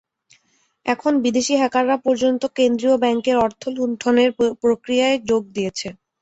এখন বিদেশি হ্যাকাররা পর্যন্ত কেন্দ্রীয় ব্যাংকের অর্থ লুণ্ঠনের প্রক্রিয়ায় যোগ দিয়েছে।